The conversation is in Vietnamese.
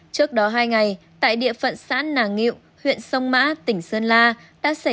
trước đó hai ngày tại địa phận sán nàng nghiệu huyện sông mã tỉnh sơn la